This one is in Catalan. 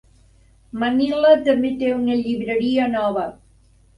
Manila també té una llibreria nova.